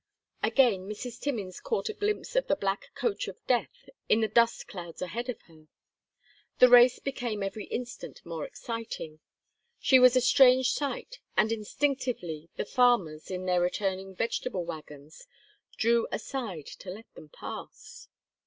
Again Mrs. Timmins caught a glimpse of the black coach of death in the dust clouds ahead of her. The race became every instant more exciting. It was a strange sight, and instinctively the farmers, in their returning vegetable wagons, drew aside to let them pass.